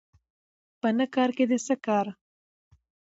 په نه کارکې دې څه کار